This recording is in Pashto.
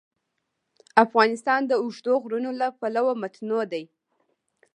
افغانستان د اوږده غرونه له پلوه متنوع دی.